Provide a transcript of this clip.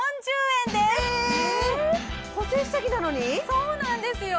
そうなんですよ